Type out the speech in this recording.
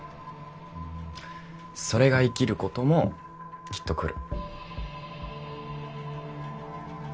それが活きる事もきっとくる。